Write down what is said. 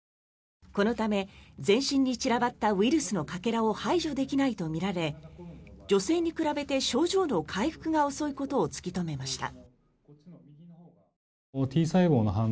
このため全身に散らばったウイルスのかけらを排除できないとみられ女性に比べて症状の回復が遅いことを突き止めました。